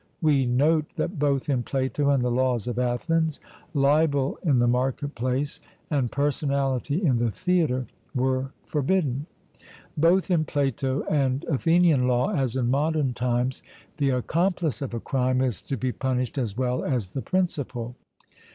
We note that both in Plato and the laws of Athens, libel in the market place and personality in the theatre were forbidden...Both in Plato and Athenian law, as in modern times, the accomplice of a crime is to be punished as well as the principal...